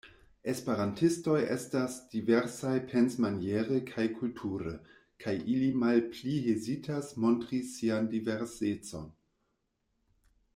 Esperantistoj estas diversaj pensmaniere kaj kulture, kaj ili malpli hezitas montri sian diversecon.